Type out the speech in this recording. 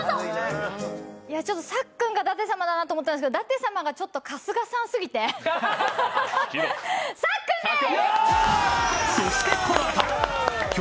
ちょっと、さっくんか舘様かなと思ったんですけど、舘様がちょっと春日さん過ぎてさっくんです！